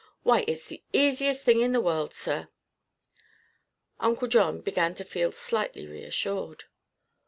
"Why, it's the easiest thing in the world, sir." Uncle John began to feel slightly reassured.